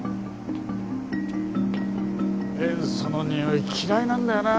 塩素のにおい嫌いなんだよな